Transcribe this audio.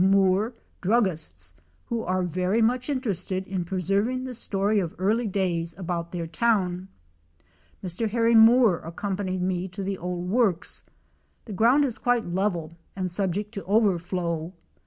Moore, druggists, who are very much interested in preserving the story of early days about their town. Mr. Harry Moore accompanied me to the old works. The ground is quite level and subject to overflow.